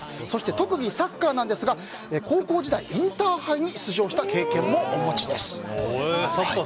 そして特技、サッカーなんですが高校時代インターハイに出場した経験もお持ちです。